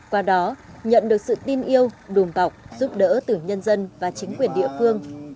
qua đó nhận được sự tin yêu đùm bọc giúp đỡ từ nhân dân và chính quyền địa phương